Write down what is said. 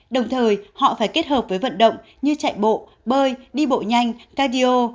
đồng thời họ phải kết hợp với vận động như chạy bộ bơi đi bộ nhanh cardio